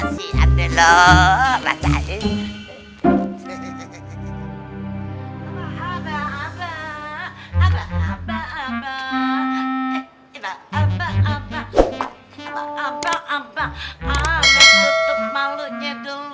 siap dewa raca ini